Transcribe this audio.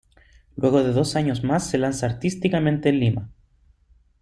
Luego de dos años más se lanza artísticamente en Lima.